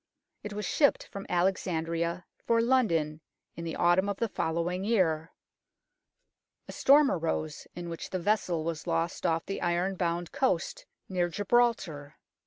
It was shipped from Alexandria for London in the autumn of the following year. A storm arose, in which the vessel was lost off the iron bound 148 UNKNOWN LONDON coast near Gibraltar.